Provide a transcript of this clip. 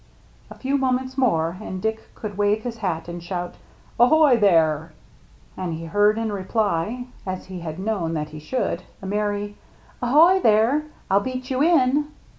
A few moments more and Dick could wave his hat and shout, " Ahoy, there !" And he heard in reply, as he had known that 34 THE MERRT ANNE he should, a merry " Ahoy, there ! Til beat you in